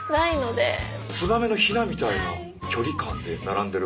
ツバメのヒナみたいな距離感で並んでるから。